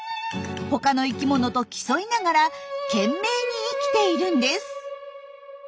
他の生きものと競いながら懸命に生きているんです。